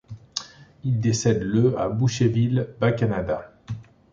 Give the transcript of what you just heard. Il décède le à Boucherville, Bas-Canada.